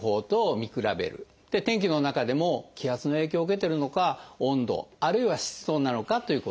天気の中でも気圧の影響を受けてるのか温度あるいは湿度なのかということ。